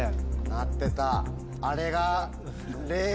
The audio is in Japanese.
なってた。